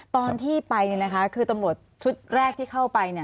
ตอนที่ไปคือตำรวจชุดแรกที่เข้าไป